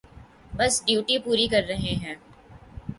بس ڈیوٹی پوری کر رہے ہیں۔